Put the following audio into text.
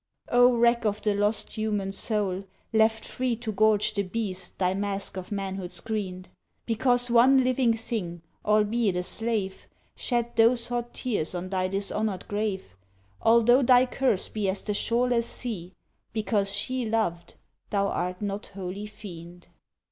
Oh wreck of the lost human soul left free To gorge the beast thy mask of manhood screened! Because one living thing, albeit a slave, Shed those hot tears on thy dishonoured grave, Although thy curse be as the shoreless sea, Because she loved, thou art not wholly fiend.